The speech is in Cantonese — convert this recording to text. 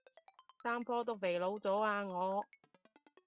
三科都肥佬咗啊我